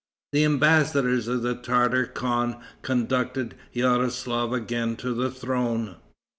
The embassadors of the Tartar khan conducted Yaroslaf again to the throne.